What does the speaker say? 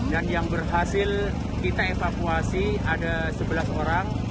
dan yang berhasil kita evakuasi ada sebelas orang